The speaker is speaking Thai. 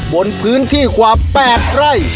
บนพื้นที่ความแปดไร่